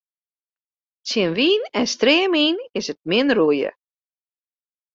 Tsjin wyn en stream is 't min roeien.